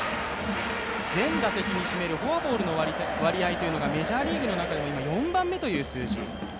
全打席に占めるフォアボールの割合というのがメジャーリーグの中でも今、４番目という数字。